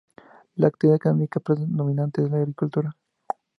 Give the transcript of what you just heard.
La actividad económica predominante es la agricultura.